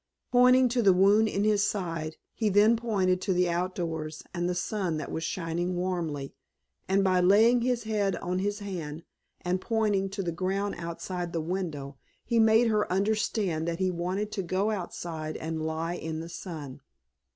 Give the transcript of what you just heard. Pointing to the wound in his side he then pointed to the outdoors and the sun that was shining warmly, and by laying his head on his hand and pointing to the ground outside the window he made her understand that he wanted to go outside and lie in the sun.